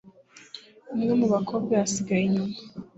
umwe mu bakobwa yasigaye inyuma